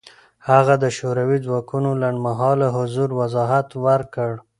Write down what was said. هغه د شوروي ځواکونو لنډمهاله حضور وضاحت ورکړ.